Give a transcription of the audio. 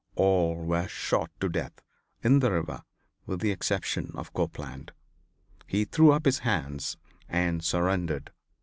All were shot to death in the river with the exception of Copeland. He threw up his hands and surrendered.